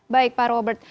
baik pak robert